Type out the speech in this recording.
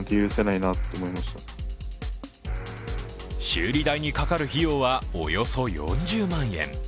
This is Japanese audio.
修理代にかかる費用はおよそ４０万円。